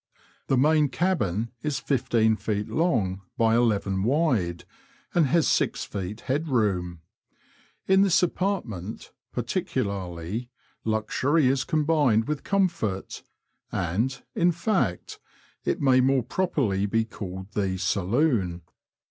The main cabin is fifteen feet long by eleven wide, and has six feet headroom. In this apartment, particularly, luxury is combined with comfort, and, in fact, it may more properly be called the *' saloon."